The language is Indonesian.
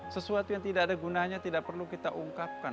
sesuatu yang tidak ada gunanya tidak perlu kita ungkapkan